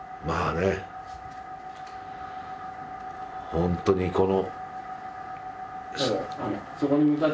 ホントにこの。